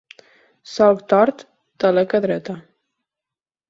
Solc tort, taleca dreta.